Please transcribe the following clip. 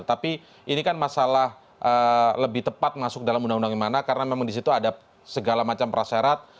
tapi ini kan masalah lebih tepat masuk dalam undang undang yang mana karena memang di situ ada segala macam prasyarat